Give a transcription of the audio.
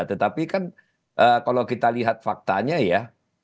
tetapi kan kalau kita lihat faktanya ya